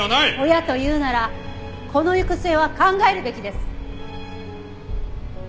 親と言うなら子の行く末は考えるべきです。